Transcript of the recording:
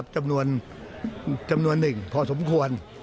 จำนวน๑พอสมควร